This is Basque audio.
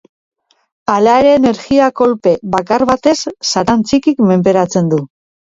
Hala ere energia-kolpe bakar batez Satan Txikik menperatzen du.